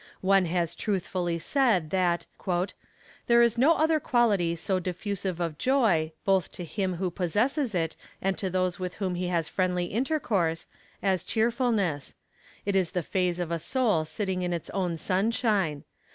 One has truthfully said that "there is no other quality so diffusive of joy, both to him who possesses it and to those with whom he has friendly intercourse, as cheerfulness. It is the phase of a soul sitting in its own sunshine.